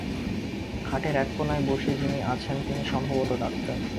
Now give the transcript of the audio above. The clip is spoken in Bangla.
খাটের এক কোণায় যিনি বসে আছেন, তিনি সম্ভবত ডাক্তার।